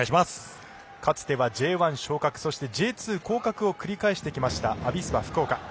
かつては、Ｊ１昇格そしてＪ２降格を繰り返してきましたアビスパ福岡。